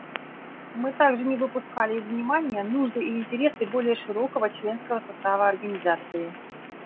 Мы также не выпускали из внимания нужды и интересы более широкого членского состава Организации.